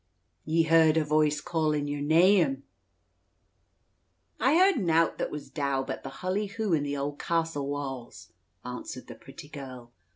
"Ye heard a voice callin' yer neyame?" "I heard nowt that was dow, but the hullyhoo in the auld castle wa's," answered the pretty girl.